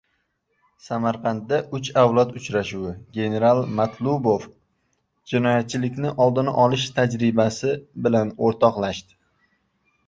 Samarqandda «uch avlod uchrashuvi»: general Matlubov jinoyatchilikning oldini olish tajribasi bilan o‘rtoqlashdi